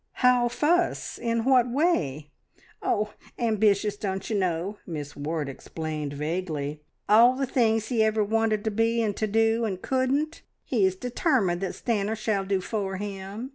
"How fuss? In what way?" "Oh! Ambitious, don't you know," Miss Ward explained vaguely. "All the things he ever wanted to be and to do, and couldn't, he is determined that Stanor shall do for him.